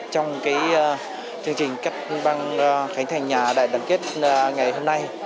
trong chương trình cắt băng khánh thành nhà đại đoàn kết ngày hôm nay